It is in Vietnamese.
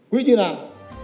quý như thế nào